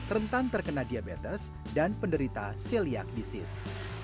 rentan terkena diabetes dan penderita celiak disease